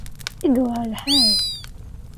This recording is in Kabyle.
I yewεer lḥal!